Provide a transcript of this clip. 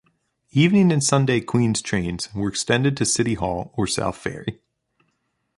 Evening and Sunday Queens trains were extended to City Hall or South Ferry.